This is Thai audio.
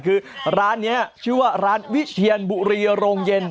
คือร้านนี้ชื่อว่าร้านวิเชียนบุรีโรงเย็น